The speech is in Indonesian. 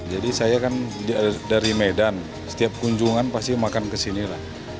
jadi saya kan dari medan setiap kunjungan pasti makan ke sini lah